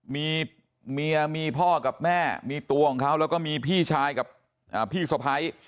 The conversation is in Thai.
มีเมียมีพ่อกับแม่มีตัวของเขาแล้วก็มีพี่ชายกับพี่สะพ้าย